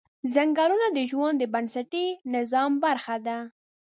ځنګلونه د ژوند د بنسټي نظام برخه ده